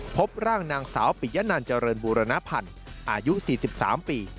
พบร่างนางสาวปิยะนันเจริญบูรณพันธ์อายุ๔๓ปี